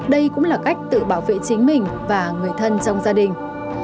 đây cũng là cách tự bảo vệ chính mình và người thân trong gia đình